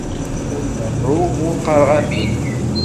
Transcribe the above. Ur deɛɛuɣ, ur qqaṛeɣ amin.